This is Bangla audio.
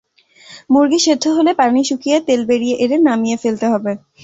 মুরগি সেদ্ধ হলে পানি শুকিয়ে তেল বেরিয়ে এলে নামিয়ে ফেলতে হবে।